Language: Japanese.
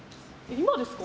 今ですか？